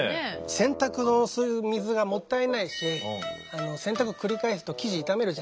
洗濯のそういう水がもったいないし洗濯を繰り返すと生地傷めるじゃないですか。